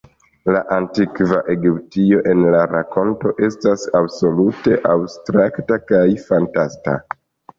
La antikva Egiptio en la rakonto estas absolute abstrakta kaj fantasta.